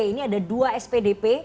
ini ada dua spdp